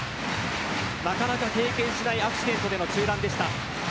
なかなか経験しないアクシデントでの中断でした。